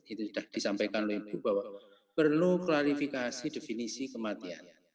itu sudah disampaikan oleh ibu bahwa perlu klarifikasi definisi kematian